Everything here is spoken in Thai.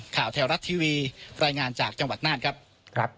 ข่าวแท้รัฐทีวีรายงานจากจังหวัดน่านครับครับ